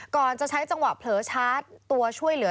ก่อนจะใช้จังหวะเผลอชาร์จตัวช่วยเหลือ